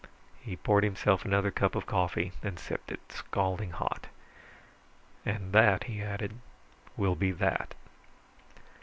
He poured himself another cup of coffee and sipped it, scalding hot. "And that," he added, "will be that."